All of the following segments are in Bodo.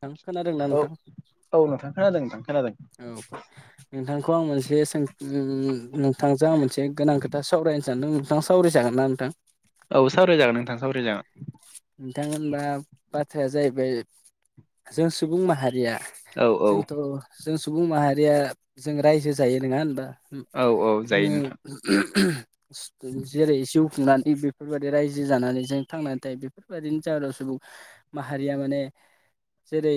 नोथां खोनादों ना औ नोंथां? औ नोंथांं खोनादों नोंथां खोनादों। औ। नोंथांखौ आं मोनसे सों ओं नोंथांजों आं मोनसे गोनां खोथा सावरायनो सानदों नोंथां सावराय जागोन ना नोंथां? औ सावराय जागोन नोंथां सावराय जागोन। नोंथां होनबा बाथ्राया जाहैबाय जों सुबुं माहारिया औ औ जोंथ' जों सुबुं माहारिया जों रायजो जायो नङा होनबा? उम औ औ जायो नोंथां जोङो जेरै जिउ खुंनानै बेफोरबायदि रायजो जानानै जों थांनानै नाथाय बेफोरबायदिनि जाउनाव सुबुं माहारिया माने जेरै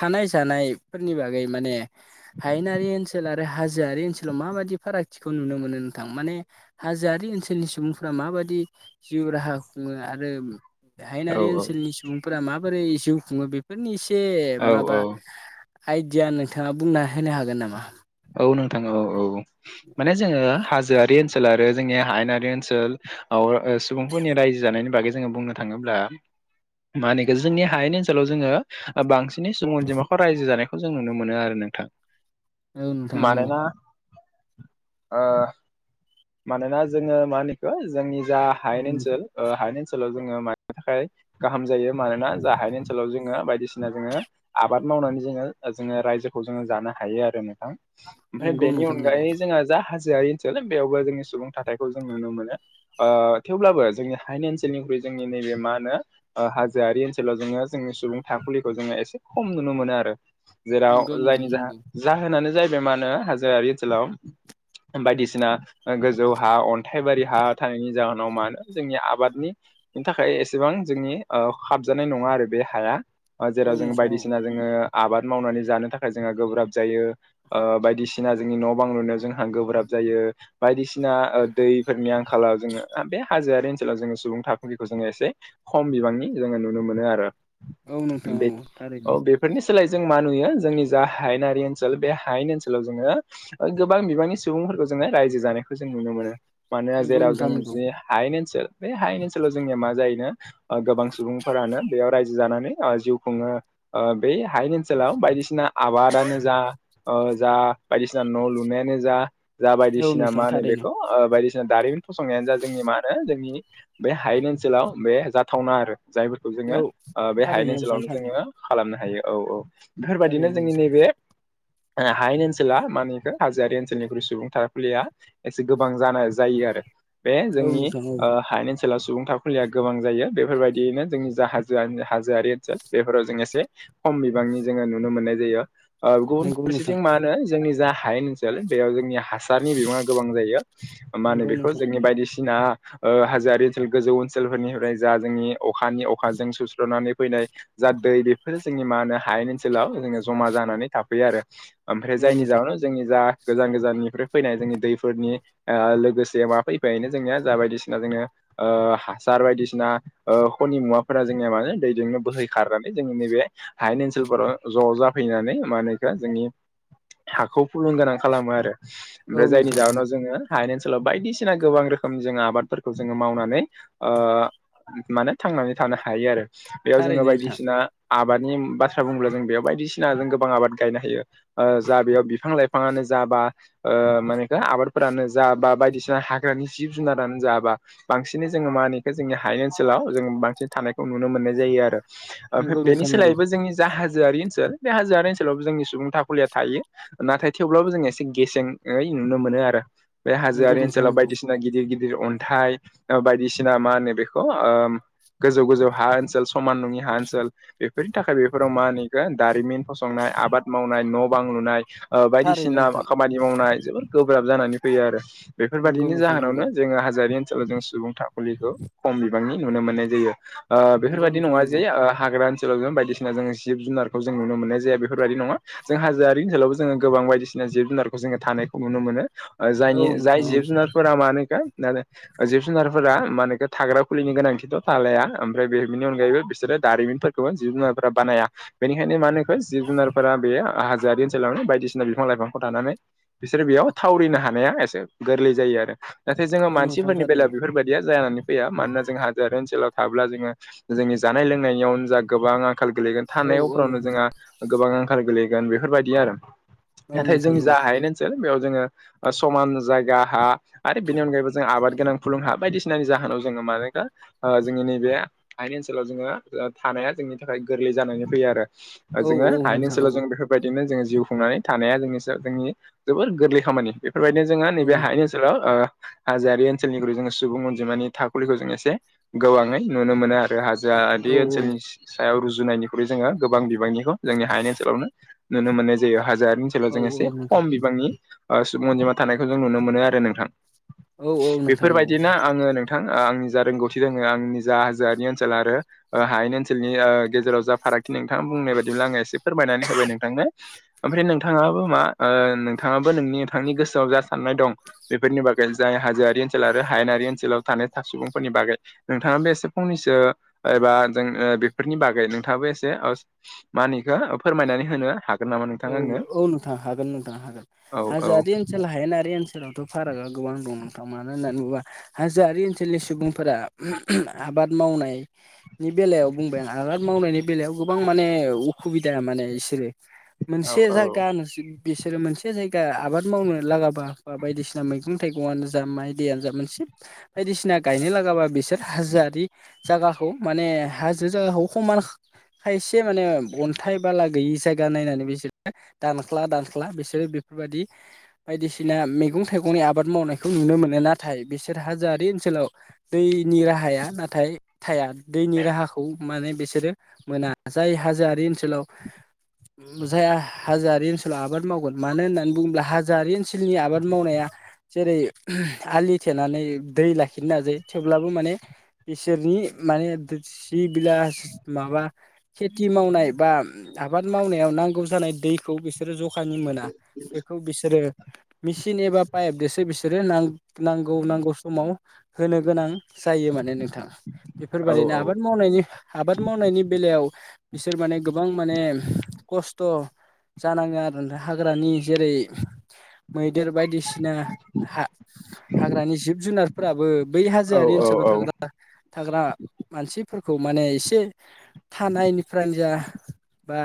थानाय जानायफोरनि बागै माने हायेनारि ओनसोला ओमफ्राय हाजोआरि ओनसोलाव माबायदि फारागथिखौ नुनो मोनो नोंथां माने हाजोआरि ओनसोलनि सुबुंफोरा माबादि जिउ राहा खुङो आ आरो औ हायेनारि औ ओनसोलनि सुबुंफोरा माबोरै जिउ खुङो बे बेफोरनि एसे औ माबा औ आइडिया नोंथाङा बुंना होनो हागोन नामा? औ नोंथां औ औ माने जोङो हाजोआरि ओनसोल आरो जोंनि हायेनारि ओनसोल औ ओ सुबुंफोरनि रायजो जानायनि बागै जोङो बुंनो थाङोब्ला मा होनो इखो जोंनि हायनि ओनसोलाव जोङो ओ बांसिन बिनि सुबुं अनजिमाखौ रायजो जानायखौ जों नुनो मोनो आरो नोंथां। औ नोंथां औ मानोना ओ मानोना जोङो मा होनो इखौ जोंनि जा औ हायेन नोंथां ओनसोल ओ हायेन ओनसोलाव जोङो मानि थाखाय गाहाम जायो मानोना जाहा हायेन ओनसोलाव जोङो बायदिसिना जोङो आबाद मावनानै जोङो जोङो रायजोखौ जोङो जानो हायो आरो नों थां ओमफ्राय नंगौ बेनि नोंथां नंगौ अनगायै जोंहा जा हा जोयारि ओनसोल बेयावबो जोंनि सुबुं थाथाइखौ जों नुनो मोनो। ओ थेवब्लाबो जोंनि हायेन ओनसोलनिख्रुइ जोंनि नैबे मा होनो ओ हाजोआरि ओनसोलाव जोङो जोंनि सुबुं थाखुलिखौ जोङो एसे खम नुनो मोनोआरो। जेराव नंगौ नोंथां जायनि नंगौ जाहो जाहोनानो जाहैबाय मा होनो हाजोयारि ओनसोलाव बायदिसिना गोजौ हा अन्थाइबारि हा थानायनि जाहोनाव मा होनो जोंनि आबादनि बेनि थाखाय एसेबां जोंनि ओ खाबजानाय नङा आरो बे हाया ओ जेराव औ जो नोंथां औ बायदिसिना जोङो आबाद मावनानै जानो थाखाय जोहा गोब्राब जायो ओ बायदिसिना जोंनि न' बां लुनायाव जोंहा गोब्राब जायो बायदिसि सिना ओ दैफोरनि आंखालाव जोङो बे हाजोआरि ओनसोलाव जोङो सुबुं थाखुलिखौ जोङो एसे खम बिबांनि जोङो नुनो मोनोआरो। औ नोंथां औ थारैनो। बेफोरनि सोलाय जों मा नुयो जोंनि जा हायेनारि ओनसोल बे हायेन ओनसोलाव जोङो गोबां बिबांनि सुबुंफोरखौ जोङो रायजो जानायखौ जों नुनो मोनो। मानोना नंगौ जेराव जों नोंथां नंगौ बिनि हायेन ओनसोल बे हायेन ओनसोलाव जोंनिया मा जायोनो ओ गोबां सुबुंफोरानो बेयाव रायजो जानानै ओ जिउ खुङो। ओ बे हायनि ओनसोलाव बायदिसिना आबादानो जा ओ जा बायदिसिना न' लुनायानो जा जा औ बायदिसिना नोंथां मा होनो थारैनो बेखौ ओ बायदि सिना दारिमिन फसंनायानो जा जोंनि मा होनो जोंनि बे हायेन ओनसोलाव बे जाथावना आरो जायफोर खौ जोङो औ ओ बे हायेन थारैनो नोंथां ओनसोलावनो थारैनो जोङो खालामनो हायो औ औ थारैनो बेफोरबायदिनो जोंनि नोंथां नैबे ओ हायेन ओनसोला मा होनो इखो हाजोआारि ओनसोलनिख्रुइ सुबुं थाखुलिया एसे गोबां जानाय जायो आरो बे औ जोंनि नोंथां औ ओ हायेन ओन सोलाव सुबुं था खुलिया गोबां जायो बेफोरबायदियैनो जोंनि जा हाजो हाजोआरि ओनसोल बेफोराव जों एसे खम बिबांनि जोङो नुनो मोननाय जायो ओ गु बुन नंगौ नोंथां फारसेथिं मा होनो जोंनि जा हायेन ओनसोल बेयाव जोंनि हासारनि बिबाङा गोबां जायो मा होनो नंगौ बेखौ नोंथां जोंनि बायदिसिना ओ हाजोयारि ओनसोल गोजौ ओनसोलफोरनिफ्राय जा जोंनि अखानि अखाजों सुस्र'नानै फैनाय जा दै बेफोरो जोंनि मा होनो हायेन ओनसोलाव जोङो जमा जानानै थाफैयोआरो। ओमफ्राय औ जायनि नोंथां जाहोनाव जोंनि जा गोजान गोजाननिफ्राय फैनाय जोंनि दैफोरनि ओ लोगोसे मा फैफायोनो जोंनिया जा बायदिसिना जोङो ओ हासार बायदिसिना ओ ख'नि मुवाफोरा जोंनिया मानो दैजोंनो बोहै खारनानै जोंनि नैबे हायेन ओनसोलफोराव ज' जाफैनानै मा होनो इखो जोंनि हाखौ फुलुं गोनां खालामो आरो औ ओमफ्राय जायनि नोंथां औ जाहोनाव जोङो हायेन ओनसोलाव बायदिसिना गोबां रोखोमजों जोङो आबादफोरखौ जोङो मावनानै ओ माने थांनानै थानो हायोआरो। बेयाव जोङो थारैनो नोंथां बायदिसिना आबादनि बाथ्रा बुंङोब्ला जों बेयाव बायदिसिना जों गोबां आबाद गायनो हायो ओ जा बेयाव बिफां लाइफाङानो जाबा ओ मा होनो इखो आबाद फोरानो जा बा बायदिसिना हाग्रानि जिब जुनारानो जा बा बांसिनै जोङो मा होनो जोंनि हायेन ओनसोलाव जों बांसिन थानायखौ नुनो मोननाय जायो आरो। ओमफ्राय नंगौ बेनि नोंथां नंगौ सोलायैबो जोंनि जा हाजोआरि ओनसोल बे हाजोयारि ओनसोल थेवब्लाबो जोंनि सुबुं थाखुलिया थायो नाथाय थेवब्लाबो जो एसे गेसेेंयै नुनो मोनो आरो। बे नंगौ हाजोआरि नोंथां ओनसोलाव नंगौ बायदिसिना गिदिर गिदिर अन्थाइ बायदिसिना मा होनो बेखौ गोजौ गोजौ हा ओनसोल समान नङि हा ओनसोल बेफोरनि थाखाय बेफोराव मा होनो इखो दारिमिन फसं संनाय आबाद मावनाय न' बां लुनाय ओ थारैनो बायदिसिना नोंथां खामानि मावनाय जोबोद गोब्राब जानानै फैयो आरो नंगौ बेफोरबायदिनि नोंथां नंगौ जाहोनावनो जोङो हाजोआरि ओन जों सुबुं थाखुलिखौ खम बिबांनि नुनो मोननाय जायो। ओ नंगौ बेफोरबायदि नोंथां नङा जे नंगौ हाग्रा ओनसोलाव जों बायदिसिना जों जिब जुनारखौ जों नुनो मोननाय जाया। बेफोरबायदि नङा‌। जों हाजोआरि ओनसोलावबो जोङो गोबां बायदिसिना जिब जुनारखौ जोङो थानायखौ नुनो मोनो। औ जायनि जाय नोंथां औ जिब जुनारफोरा मा होनो जिब जुनारफोरा मानेथ थाग्रा खुलिनि गोनांथिथ' थालाया ओमफ्राय बे बिनि अनगायैबो बिसोरो दारिमिनफोर जिब जुनाफोरा बानाया बेनिखायनो मानोखौ जिब जुनारफोरा बे हाजोआारि ओनसोलावनो बायदिसिना बिफां लाइफांखौ थानानै बिसोर बेयाव थावरिनो हानाया एसे गोरलै जायो आरो। नाथाय औ जोंङो नोंथां मानसिफोरनि थारैनो बेलायाव बेफोरबायदिया जानानै फैया मानोना जों हादोआरि ओनसोलाव थाब्ला जोङो जोंनि जानाय लोंनाय यावनो जा गोबां आंखाल गोलैगोन। औ थानाय औ फोरावनो नोंथां जोंहा गोबां आंखाल गोलैगोन बेफोरबायदि आरो औ नाथाय नोंथां जोंनि औ जा हायनो सै बेयाव जोङो समान जायगा हा। आरो बेनि अनगायैबो जों आबाद गोनां फुलुंखा बायदिसिनानि जाहोनाव जोङो मानो जोंनि नैबे हायेन ओनसोलाव जोङो थानाया जोंनि थाखाय गोरलै जानानै फैयो आरो। औ औ जों हायेन नोंथां ओनसोलाव औ जों बे बेबादिनो जों जिउ खुंनानै थानाया जोंनि जोंनि जोबोर गोरलै खामानि। बेफोरबायदिनो जोंहा औ नैबे हायेन ओनसोल सोलाव ओ हाजोआरि ओनसोलनिख्रुइ जोङो सुबुं अनजिमानि थाखुलिखौ जों एसे गोबांङै नुनो मोनो आरो। आरो हाजो बे औ ओनसोलनि सायाव रुजुनायनिख्रुइ जोङो गोबां बिबांनिखौ जोंनि हायानि ओनसोलावनो नुनो मोननाय जायो। हाजोआरि ओनसोलाव औ जों एसे औ नोंथां खम बिबांनि ओ सुबुं अनजिमा थानायखौ जों नुनो मोनो आरो नोंथां। औ औ नोंथां बेफोरबायदिनो आङो नों नोंथां आं जा रोंगौथि दं आङो आंनि जा हाजोआरि ओनसोल आरो ओ हायेन ओनसोलनि ओ गेजेराव जा फारागथि नोंथाङा बुंनाय बाय बिदिब्ला आङो एसे फोरमायनानै होबाय नोंथांनो। ओमफ्राय नोंथाङाबो मा ओ नोंथाङाबो नोंनि नोंथांनि गोसोआव जा साननाय दं बेफोरनि बागै जाय हाजोआरि ओनसोल आरो हायेनारि ओनसोलाव थानाय सुबुंफोरनि बागै नोंथाङाबो एसे फंनैसो एबा जों बेफोरनि बागै नोंथाङाबो एसे मा होनो इखो फोरमायनानै होनो हागोन। नामा औ नोंथां आंनो औ नोंथां। हागोन नोंथां हागोन औ हाजोआ ओनसोलाव हायेनारि ओनसोलावथ' फारागा गोबां दं नोंथां मा होननानै बुंङोब्ला हाजोआरि ओनसोलनि सुबुंफोरा आबाद मावनाय नि बेलायाव बुंबाय आं। आबाद मावनायनि बेलायाव गोबां माने अखुबिदा माने बिसोरो। मोनसे जागा बिसोरो मोनसे जायगा आबाद मावनो लागाबा बा बायदिसिना मैगं थाइगंनो जा माइ दैयानो जा मोनसे बायदिसिना गायनो लागाबा बिसोर हाजोआरि जायगाखौ माने हाजो जायगाखौ समान खायसे माने अन्थाइ बाला गैयि जायगा नायनानै बे बि दानस्ला दानख्ला बिसोरो बेफोरबायदि बायदिसिना मैगं थाइगंनि आबाद मावनायखौ नुनो मोनो नाथाय बिसोर हाजोआरि ओनसोलाव दैनि राहाया नाथाय थाया। दैनि राहाखौ माने बिसोरो मोना। जाय हाजोआरि ओनसोलाव बुजाया हाजोआारि ओनसोलाव आबाद मावगोन मानो होननानै बुङोब्ला हाजोआरि ओनसोलनि आबाद मावनाया जेरै आलि थेनानै दै लाखिनो नाजायो थेवब्लाबो माने इसोरनि माने सि [unintelligible] माबा खेथि मावनाय बा आबाद मावनायाव नांगौ जानाय दैखौ बिसोरो जखानि मोना। बेखौ बिसोरो मिेचन एबा पाइपजोंसो बिसोरो नांगौ नांगौ समाव होनो गोनां जायो माने नोंथां। बेफोरबायादिनो आबाद मावनायनि आबाद मावनायनि बेलायाव बिसोर माने गोबां माने खस्थ' जानाङो आरो हाग्रानि जेरै मैदेर बायदिसिना हा हाग्रानि जिब जुनारफोराबो बै औ हाजोआि ओनसोलाव थाग्रा थाग्रा मानसिफोरखौ माने एसे थानायनिफ्रायनो जा बा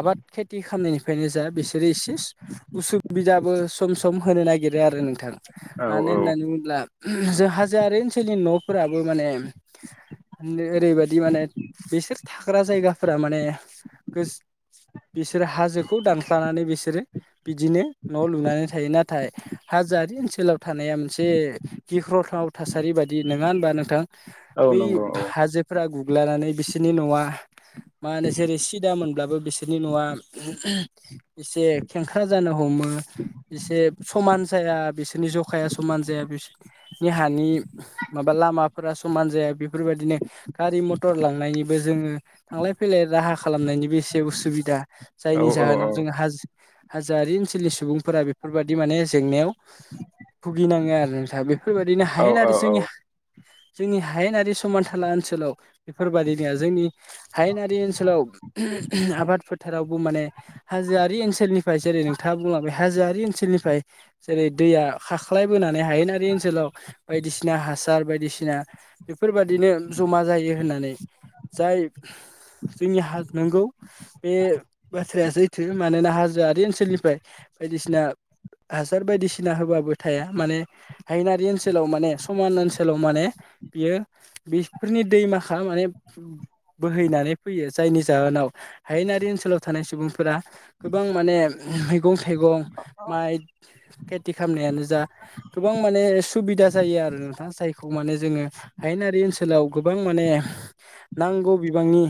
आबाद खेथि खालामनायनिफ्रायनो जा बिसोरो एसे उसुबिदाबो सम सम होनो नागिरो आरो नोंथां। औ मानो होननानै बुंब्ला जों हाजोआर ओनसोलनि न'फोराबो माने ओरैबायाददि माने बिसोर थाग्रा जायगाफोरा माने बिसोरो हाजोखौ दानस्लानानै बिसोरो बिदिनो न' लुनानै थायो नाथाय हाजोआारि ओनसोलाव थानाया मोनसे गिख्रंथाव थासारि बादि नङा होनबा नोंथां। औ बेै नंगौ औ हाजो फोर्रा गुग्लानानै बिसोरनि न'आ मा होनो जेरै सिदा मोनब्लाबो बिसोरनि न'आ एसे खेंख्रा जानो हमो एसे समान जाया बिसोरनि जखाया समान जाया बिसोरनि हानि माबा लामाफोरा समान जाया बेफोरबायदिनो गारि मथर लांनायनिबो जोङो थांलाय फैलाय राहा खालामनायनिबोसे जे उ सुबिदा औ जायनि औ जाहोनाव जों हाजो हाजोआरि ओनसोलनि सुबुंफोरा बेफोरबायादि माने जेंनायाव भुगिनाङो आरो नोंथां। बे- बेफोरबायाददिनो औ हायोन औ आरो जोंनि जोंनि हायेनारि समानथाला ओनसोलाव बेफोरबादिनिया जोंनि हायेनारि ओनसोलाव आबाद फोथारावबो माने हाजोआरि ओनसोलनिफ्राय जेरै नोंथाङा बुङा बे हाजोआरि ओनसोलनिफ्राय जेरै दैया खाख्लाय बोनानै हायेनारि ओनसोलाव बायदिसिना हासार बायदिसिना बेफोरबायादिनो जमा जायो होननानै। जाय जोंनि नंगौ बे बाथ्राया सैथो मानोना हाजोआि ओनसोलनिफ्राय बायदिसिना हासार बायदिसिना होबाबो थाया। माने हायेनारि ओनसोलाव माने समान ओनसोलाव माने बियो बेफोरनि दैमाखा माने बोहैनानै फैयो जायनि जाहोनाव हायेनारि ओनसोलाव थानाय सुबुंफोरा गोबां माने मैगं थाइगं माइ खेथि खालामनायानो जा गोबां माने सुबिदा जायो आरो नोंथाङा। जायखौ माने जोङो हायेनारि ओनसोलाव गोबां माने नांगौ बिबांनि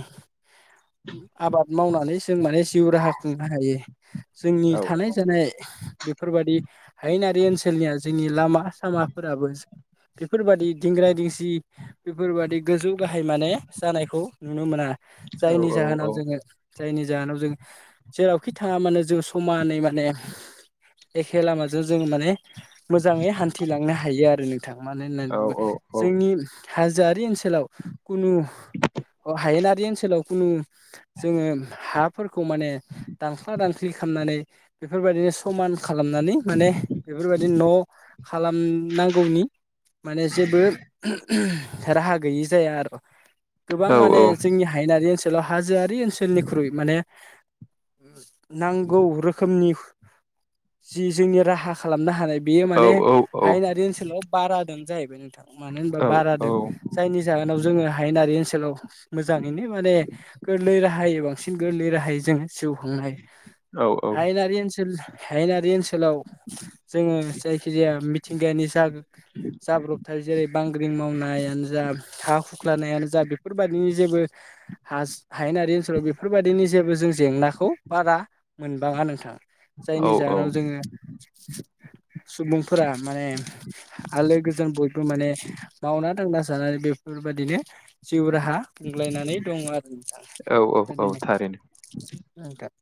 आबाद मावनानै जों माने जिउ राहा खुंनो हायो। जोंनि औ थानाय जानाय बेफोरबादि हायेनारि ओनसोलनिया जोंनि लामा सामाफोराबो बेफोरबायाददि दिंग्रााय दिंसि बेफोरबादि गोजौ गाहाय माने जानायखौ नुनो मोना। जायनि औ औ जाहोनाव जोङो जायनि जाहोनाव जों जेरावखि थाङा मानो जों समानै माने एखे लामाजों जोंङो माने मोजाङै हान्थिलांनो हायो आरो नोंथां। मानो होननानै बुंओबला जोंनि हायेनारि ओनसोलाव खुनु जोङो हाफोरखौ माने दांख्ला दांख्लि खालामनानै बेफोरबायदिनो समान खालामनानै माने बेफोरबायदि न' खालामनांगौनि माने जेबो राहा गैयि जाया आरो गोबां माने जोंनि हायेनारि ओनसोलाव हाजोआरि ओनसोलनिख्रुइ माने नांगौ रोखोमनि जि जोंनि राहा खालामनो हानाय बेयो माने हायेनारि ओनसोलाव बारादों जाहैबाय नोंथां मानो होनबा बारादों जायनि जाहोनाव जोङो हायेनारि ओनसोलाव मोजाङैनो माने गोरलै राहायै बांसिन गोरलै राहायै जोङो जिउ खांनो हायो। हायनारि ओनसोल हायनारि ओनसोलाव जोङो जायखिजाया मिथिंगायानि जा जाब्रबथाया जेरै, बांग्रिं मावनायानो जा हा हुख्लानायानो जा बेफोरबायाददिनि जेबो हा हायेनारि ओनसोलाव बेफोरबायदिनि जेबो जों जेंनाखौ बारा मोनबाङा नोंथां जायनि जाहोनाव औ जोङो सुबुंफोरा माने आलो गोजोन बयबो माने मावना दांना जानानै बेफोरबायाददिनो जिउ राहा गोग्लायनानै दङ आरो औ औ बिथाङा औ थारैनो बिनो था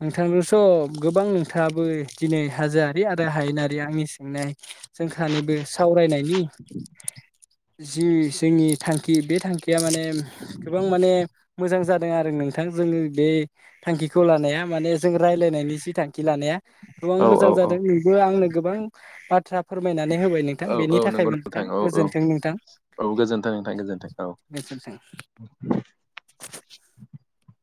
नोंथांजों स' गोबां नोंथाङाबो दिनै हाजोआरि आरो हायेनारि आंनि सोंनाय जोंख नबो सावरायनायनि जि जोंनि थांखि बे थांखिया माने गोबां माने मोजां जादों आरो नोंथां जोङो बे थांखिखौ लानाया माने जों रायज्लायनायनि जि थांखि लानाया गोबां औ मोजां औ औ जादों बेबो आंनो गोबां बाथ्रा फोरमायनानै होबाय नोंथां औ औ बेनि नंगौ थाखायबो नोंथां औ औ गोजोन्थों नोंथां औ गोजोनथों नोंथां गोजोन्थों औ गोजोन्थों [inaudible]